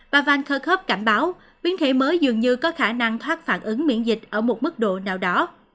bà van kerrkhab cảnh báo biến thể mới dường như có khả năng thoát phản ứng miễn dịch ở một mức độ nào đó